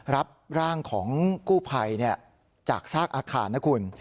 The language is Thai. รับร่างของกู้ภัยจากซากอาคารนะคุณ